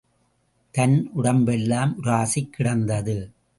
தன் உடம்பெல்லாம் உராசிக் கிடந்தது.